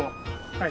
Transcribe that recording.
はい。